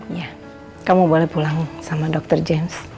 iya kamu boleh pulang sama dokter james